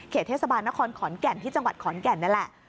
เทศบาลนครขอนแก่นที่จังหวัดขอนแก่นนี่แหละ